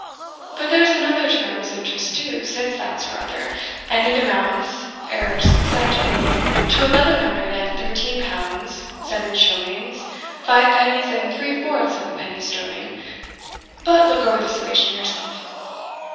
"But there's another term's interest due since that, Sir Arthur, and it amounts (errors excepted) to eleven hundred and thirteen pounds, seven shillings, five pennies, and three fourths of a penny sterling But look over the summation yourself."